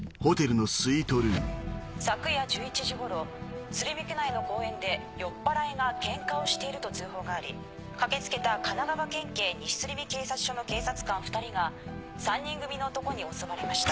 昨夜１１時頃鶴見区内の公園で酔っぱらいがケンカをしていると通報があり駆け付けた神奈川県警西鶴見警察署の警察官２人が３人組の男に襲われました。